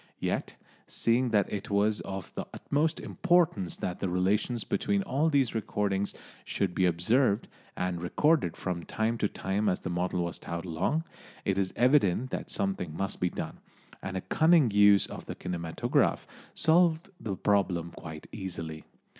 Yet, seeing that it was of the utmost importance that the relations between all these things should be observed, and recorded from time to time as the model was towed along, it is evident that something must be done, and a cunning use of the kinematograph solved the problem quite easily.